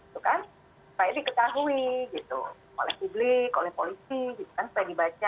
supaya diketahui oleh publik oleh polisi supaya dibaca